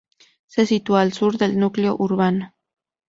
Se sitúa al sur del núcleo urbano.